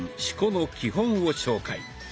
「四股」の基本を紹介。